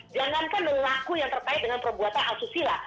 jangankan berlaku yang terkait dengan perbuatan asusila